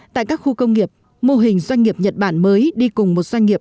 tại các khu công nghiệp mô hình doanh nghiệp nhật bản mới đi cùng một doanh nghiệp